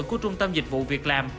của trung tâm dịch vụ việc làm